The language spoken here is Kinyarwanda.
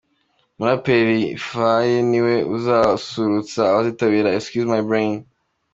Umuraperi Faye niwe uzasusurutsa abazitabiraExcuse my brain'.